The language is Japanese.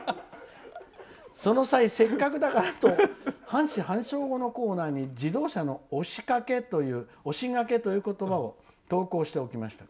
「その際、せっかくだからと半死半生語のコーナーに自動車の押しがけという言葉を投稿しておきました。